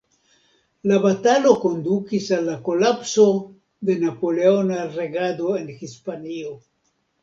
La batalo kondukis al la kolapso de napoleona regado en Hispanio.